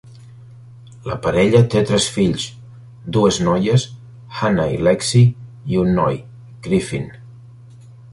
La parella té tres fills: dues noies, Hannah i Lexie, i un noi, Griffin.